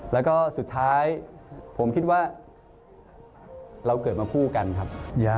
แล้วก็สุดท้ายผมคิดว่าเราเกิดมาคู่กันครับ